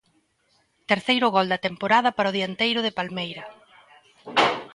Terceiro gol da temporada para o dianteiro de Palmeira.